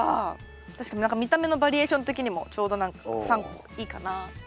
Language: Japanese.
確かに見た目のバリエーション的にもちょうど何か３個いいかな。